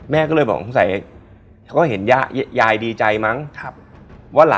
มีอีกค่ะ